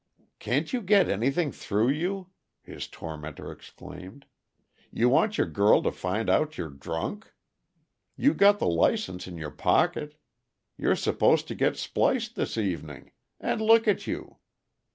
"Can't you get anything through you?" his tormentor exclaimed. "You want your girl to find out you're drunk? You got the license in your pocket. You're supposed to get spliced this evening and look at you!"